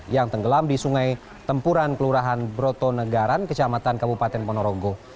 yang tenggelam di sungai tempuran kelurahan broto negaran kecamatan kabupaten ponorogo